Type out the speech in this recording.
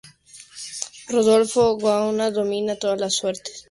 Rodolfo Gaona dominaba todas las suertes.